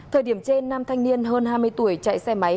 thời điểm trên nam thanh niên hơn hai mươi tuổi chạy xe máy